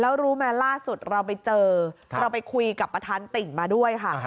แล้วล่าสุดเราไปคุยกับประธานติ่งมาด้วยค่ะ